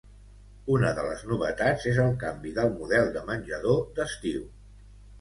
Una de les novetats és el canvi del model de menjador d’estiu.